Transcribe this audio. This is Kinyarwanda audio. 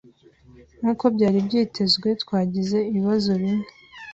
Nkuko byari byitezwe, twagize ibibazo bimwe.